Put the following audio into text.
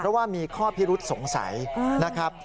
เพราะว่ามีข้อพิรุษสงสัยนะครับ